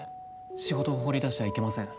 仕事を放り出しては行けません。